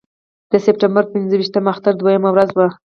د سپټمبر پر پنځه ویشتمه اختر دویمه ورځ وه.